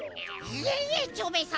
いえいえ蝶兵衛さま！